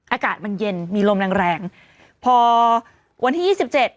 อากาศมันเย็นมีลมแรงแรงแรงพอวันที่ยี่สิบเจ็ด